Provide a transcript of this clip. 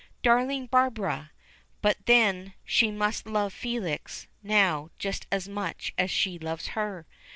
Darling Barbara! But then she must love Felix now just as much as she loves her.